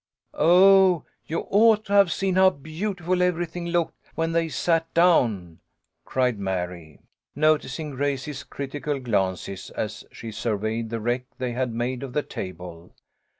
" Oh, you ought to have seen how beautiful every thing looked when they sat down," cried Mary, noticing Grace's critical glances, as she surveyed the wreck they had made of the table.